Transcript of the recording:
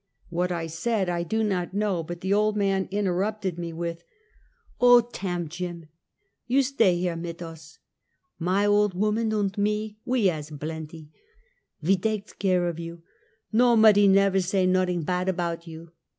What I said I do not know, but the old man interrupted me with: " Oh tamm Jim. You stay here mit us. My old woman und me, we has blenty. "We dakes care of you. JN'opody never said nodding bad about you.